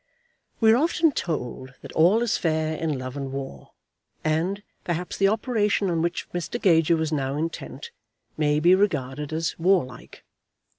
We are often told that all is fair in love and war, and, perhaps, the operation on which Mr. Gager was now intent may be regarded as warlike.